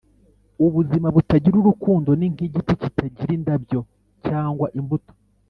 “ubuzima butagira urukundo ni nk'igiti kitagira indabyo cyangwa imbuto.”